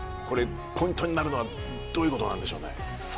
ポイントになるのはどういうことなんでしょうね？